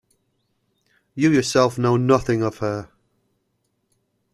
You yourself know nothing of her.